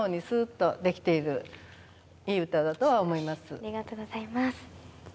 ありがとうございます。